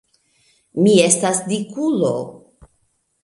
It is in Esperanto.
Mi estas dikulo!